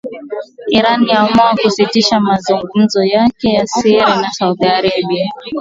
Iran yaamua kusitisha mazungumzo yake ya siri na Saudi Arabia